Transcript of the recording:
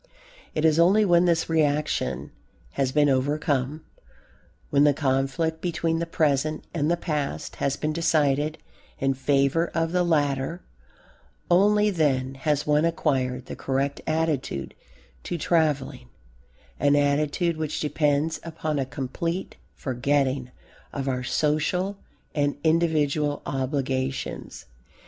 It is only when this reaction has been overcome, when the conflict between the present and the past has been decided in favour of the latter, only then has one acquired the correct attitude to travelling, an attitude which depends upon a complete forgetting of our social and individual obligations.